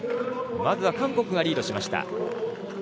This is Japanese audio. まずは韓国がリードしました。